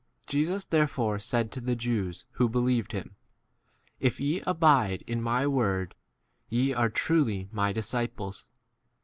1 Jesus therefore said to the Jews who believed him, If ye * abide in my word, ye are truly my disci 3 pies.